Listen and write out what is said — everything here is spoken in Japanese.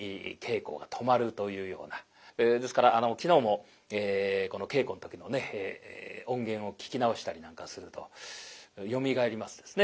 ですから昨日も稽古の時のね音源を聞き直したりなんかするとよみがえりますですね。